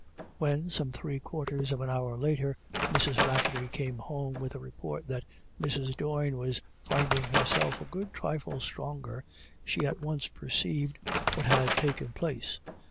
When, some three quarters of an hour later, Mrs. Rafferty came home with the report that Mrs. Doyne was finding herself a good trifle stronger, she at once perceived what had taken place.